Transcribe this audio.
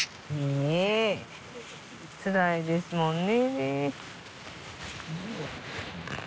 つらいですもんね。